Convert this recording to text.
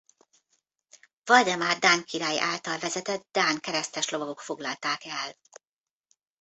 Valdemár dán király által vezetett dán keresztes lovagok foglalták el.